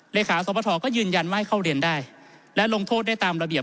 เลขาสวทก็ยืนยันว่าให้เข้าเรียนได้และลงโทษได้ตามระเบียบ